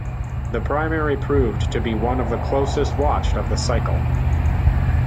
The primary proved to be one of the closest watched of the cycle.